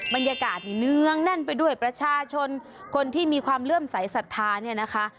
บรรยากาศนี่เนื้องแน่นไปด้วยประชาชนคนที่มีความเลื่อมใสสัทธาเนี่ยนะคะ